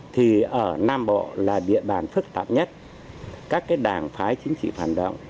thì ở nam bộ là địa bàn phức tạp nhất các đảng phái chính trị phản động